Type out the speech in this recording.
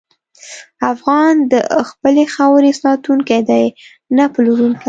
افغان د خپلې خاورې ساتونکی دی، نه پلورونکی.